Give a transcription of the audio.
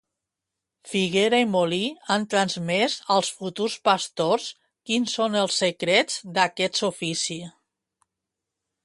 Figuera i Moli han transmès als futurs pastors quins són els secrets d'aquest ofici.